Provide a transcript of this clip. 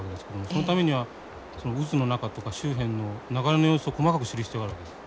そのためには渦の中とか周辺の流れの様子を細かく知る必要があるわけです。